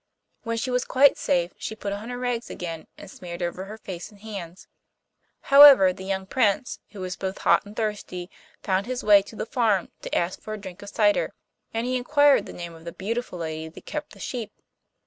When she was quite safe, she put on her rags again, and smeared over her face and hands. However the young Prince, who was both hot and thirsty, found his way to the farm, to ask for a drink of cider, and he inquired the name of the beautiful lady that kept the sheep.